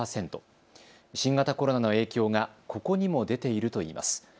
新型コロナの影響がここにも出ているといいます。